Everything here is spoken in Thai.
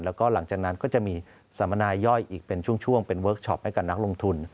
แล้วก็หลังจากนั้นก็จะมีสัมมนายย่อยอีกเป็นช่วงเป็นเวิร์คชอปให้กับนักลงทุน